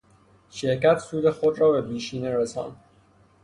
شرکت سود خود را به بیشینه رساند.